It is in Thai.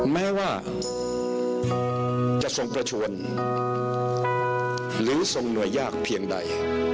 แม้ว่าจะทรงประชวนหรือทรงหน่วยยากเพียงใด